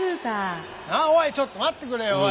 おいちょっと待ってくれよおい。